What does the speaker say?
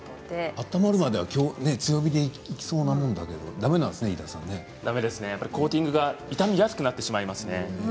温まるまでは強火でいきそうなもんだけどだめですねコーティングが傷みやすくなってしまいますね。